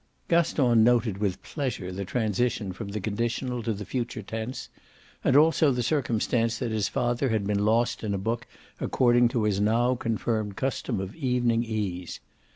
Gaston noted with pleasure the transition from the conditional to the future tense, and also the circumstance that his father had been lost in a book according to his now confirmed custom of evening ease.